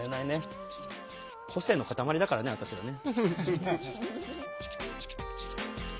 個性の塊だからね私らね。